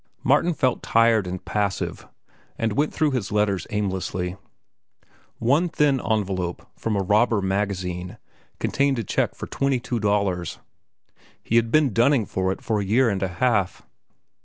Martin felt tired and passive, and went through his letters aimlessly. One thin envelope, from a robber magazine, contained a check for twenty two dollars. He had been dunning for it for a year and a half.